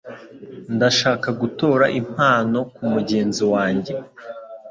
Ndashaka gutora impano kumugenzi wanjye.